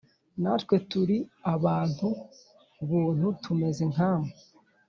Natwe turi abantu buntu tumeze nkamwe